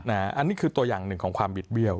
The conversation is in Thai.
อันนี้คือตัวอย่างหนึ่งของความบิดเบี้ยว